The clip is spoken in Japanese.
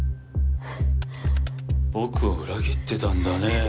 僕を裏切ってたんだね。